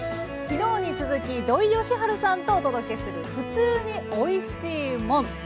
昨日に続き土井善晴さんとお届けする「ふつうにおいしいもん」。